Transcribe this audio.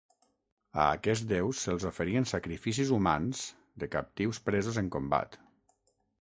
A aquests déus se'ls oferien sacrificis humans de captius presos en combat.